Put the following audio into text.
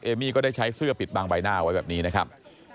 มี่ก็ได้ใช้เสื้อปิดบังใบหน้าไว้แบบนี้นะครับ